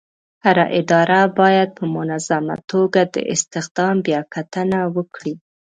هره اداره باید په منظمه توګه د استخدام بیاکتنه وکړي.